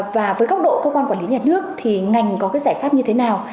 và với góc độ cơ quan quản lý nhà nước thì ngành có cái giải pháp như thế nào